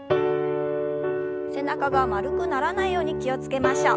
背中が丸くならないように気を付けましょう。